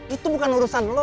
itu bukan urusan lo